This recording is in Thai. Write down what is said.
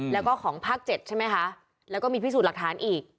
แล้วก็ของภาค๗ใช่ไหมคะแล้วก็มีพิสูจน์หลักฐานอีก